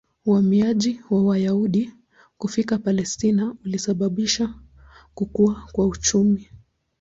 Uhamiaji wa Wayahudi kufika Palestina ulisababisha kukua kwa uchumi.